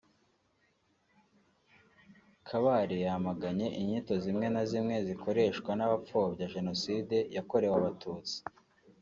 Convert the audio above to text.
Kabare yamaganye inyito zimwe na zimwe zikoreshwa n’abapfobya Jenoside yakorewe Abatutsi